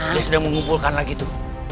dia sudah mengumpulkan lagi itu